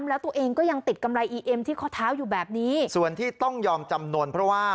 แล้วตัวเองก็ยังติดกำไรอีเอ็มที่ข้อเท้าอยู่แบบนี้ส่วนที่ต้องยอมจำนวนเพราะว่า